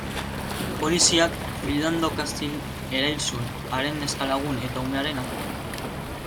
Poliziak Philando Castile erail zuen, haren neska-lagun eta umearen aurrean.